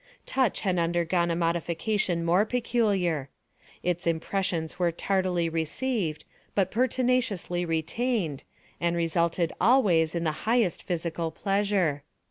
Touch had undergone a modification more peculiar. Its impressions were tardily received, but pertinaciously retained, and resulted always in the highest physical pleasure.